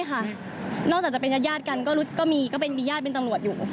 นอกจากจะเป็นญาติกันก็มีญาติเป็นตำรวจอยู่